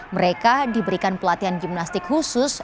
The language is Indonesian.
mereka diberikan pelatihan gimnastik khusus